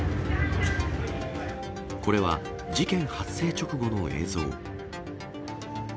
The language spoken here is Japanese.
これは事件発生直後の映像。